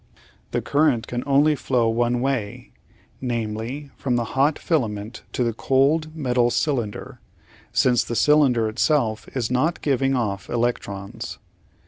The current can only flow one way, namely, from the hot filament to the cold metal cylinder, since the cylinder itself is not giving off electrons.